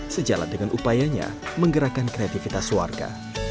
sejalan dengan upayanya menggerakkan kreativitas warga